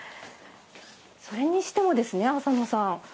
それにしても浅野さん